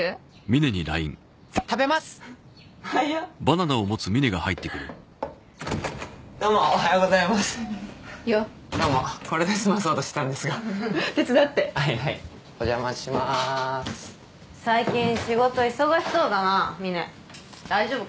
早っどうもおはようございますよっどうもこれで済まそうとしてたんですが手伝ってはいはいお邪魔しまーす最近仕事忙しそうだなみね大丈夫か？